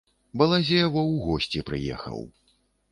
Балазе во ў госці прыехаў.